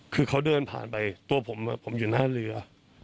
คือเขาเดินผ่านไปตัวผมผมอยู่หน้าเรือ